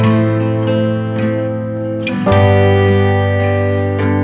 mas al perlala perlala